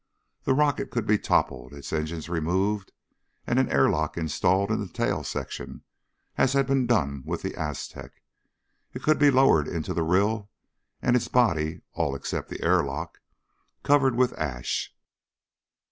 The rocket could be toppled, its engines removed and an airlock installed in the tail section, as had been done with the Aztec. It could be lowered into the rill and its body, all except the airlock, covered with ash.